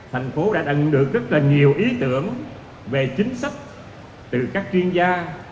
thành phố đã đận được rất là nhiều ý tưởng về chính sách từ các chuyên gia